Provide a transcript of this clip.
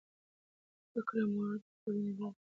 د زده کړې مور د ټولنې برخه ده.